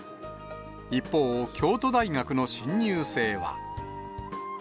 一方、京都大学の新入生は。